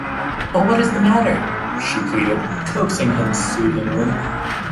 “But what is the matter?” she pleaded, coaxing him soothingly.